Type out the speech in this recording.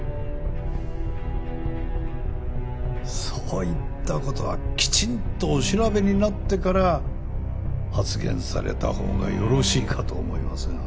そういった事はきちんとお調べになってから発言されたほうがよろしいかと思いますが。